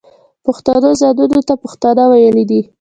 پښتنو ځانونو ته پښتانه ویلي دي.